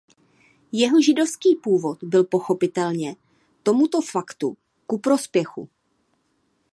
Jeho židovský původ byl pochopitelně tomuto faktu ku prospěchu.